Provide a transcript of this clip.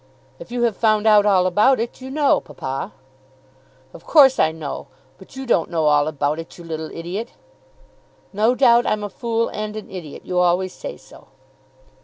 "If you have found out all about it, you know, papa." "Of course I know; but you don't know all about it, you little idiot." "No doubt I'm a fool and an idiot. You always say so."